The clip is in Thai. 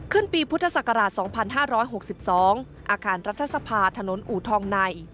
ปีพุทธศักราช๒๕๖๒อาคารรัฐสภาถนนอูทองใน